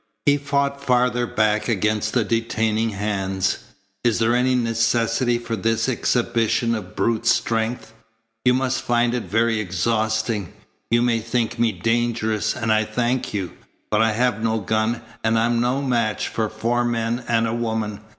He fought farther back against the detaining hands. "Is there any necessity for this exhibition of brute strength? You must find it very exhausting. You may think me dangerous, and I thank you; but I have no gun, and I'm no match for four men and a woman.